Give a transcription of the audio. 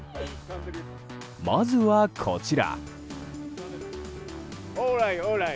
まずは、こちら。